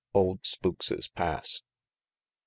OLD SPOOKSES' PASS. I.